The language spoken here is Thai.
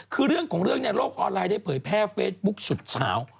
คือเรื่องของเรื่องในโลกออนไลน์ได้เผยแพร่เฟซบุ๊กสุดเฉา